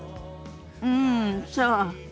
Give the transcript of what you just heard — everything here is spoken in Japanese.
うんそう。